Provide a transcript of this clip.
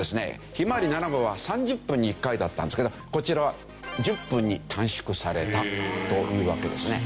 ひまわり７号は３０分に１回だったんですけどこちらは１０分に短縮されたというわけですね。